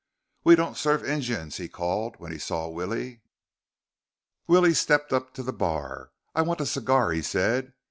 "We don't serve Injuns!" he called when he saw Willie. Willie stepped up to the bar. "I want a cigar," he said.